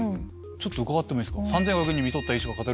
ちょっと伺ってもいいですか？